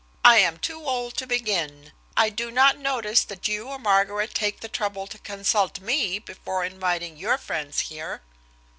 I am too old to begin. I do not notice that you or Margaret take the trouble to consult me before inviting your friends here."